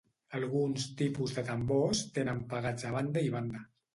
Alguns tipus de tambors tenen pegats a banda i banda.